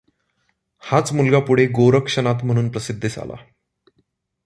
हाच मुलगा पुढे गोरक्षनाथ म्हणून प्रसिद्धीस आला.